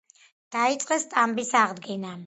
დაიწყეს სტამბის აღდგენა.